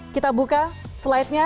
kita buka slide nya